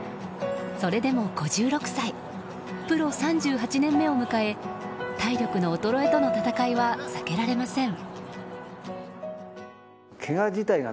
それでも５６歳プロ３８年目を迎え体力の衰えとの戦いは避けられません。